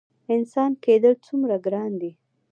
انسان کیدل څومره ګران دي؟